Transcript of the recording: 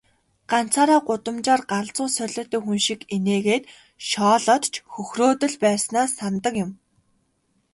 Ганцаараа гудамжаар галзуу солиотой хүн шиг инээгээд, шоолоод ч хөхрөөд л байснаа санадаг юм.